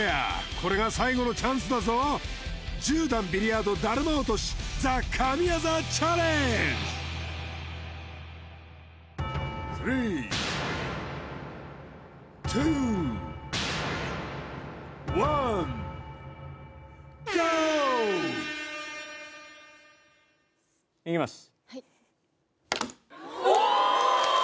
これが最後のチャンスだぞ１０段ビリヤードだるま落としＴＨＥ神業チャレンジいきます